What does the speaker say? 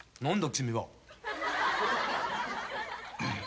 君は。